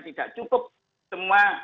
tidak cukup semua